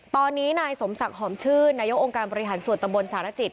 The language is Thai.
ตอนนี้นายสมศักดิ์หอมชื่นนายกองค์การบริหารส่วนตำบลสารจิต